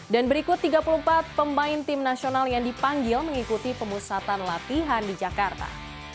dan berikut tiga puluh empat pemain timnasional yang dipanggil mengikuti pemusatan latihan di jakarta